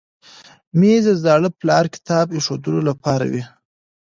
مېز د زاړه پلار کتاب ایښودلو لپاره وي.